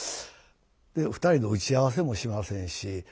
で２人で打ち合わせもしませんし。